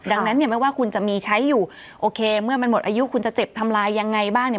ดังนั้นเนี่ยไม่ว่าคุณจะมีใช้อยู่โอเคเมื่อมันหมดอายุคุณจะเจ็บทำลายยังไงบ้างเนี่ย